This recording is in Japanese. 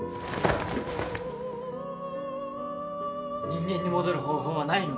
人間に戻る方法はないの？